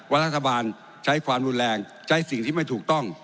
รัฐบาลใช้ความรุนแรงใช้สิ่งที่ไม่ถูกต้อง